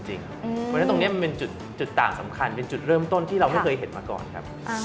เพราะฉะนั้นตรงนี้มันเป็นจุดต่างสำคัญเป็นจุดเริ่มต้นที่เราไม่เคยเห็นมาก่อนครับ